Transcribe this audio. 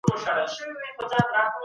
ایا تکړه پلورونکي وچ توت پلوري؟